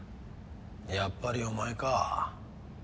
やっぱりお前か。